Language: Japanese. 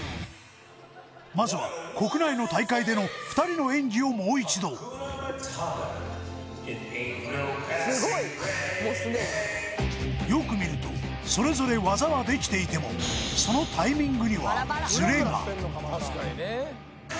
まずは国内の大会での２人の演技をもう一度よく見るとそれぞれ技はできていてもそのさらにシングルターンコサックジャンプ！